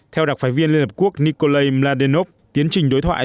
theo đặc phái viên liên hợp quốc nikolai madenov tiến trình đối thoại